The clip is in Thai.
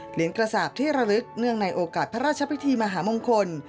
เหรียญกระสาปที่ระลึกเนื่องในโอกาสพระราชพิธีมหามงคล